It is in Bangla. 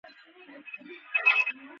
আমি শিখি নি তেমন করে চাইতে।